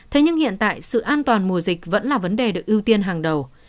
thế nhưng hiện tại sự an toàn mùa dịch vẫn là vấn đề được ưu tiên hàng đầu